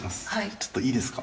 ちょっといいですか？